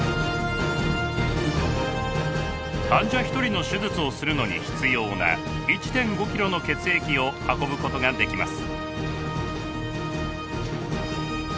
患者１人の手術をするのに必要な１．５ｋｇの血液を運ぶことができます。